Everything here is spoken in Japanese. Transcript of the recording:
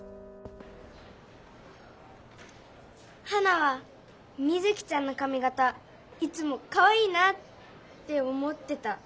ハナはミズキちゃんのかみがたいつもかわいいなっておもってた。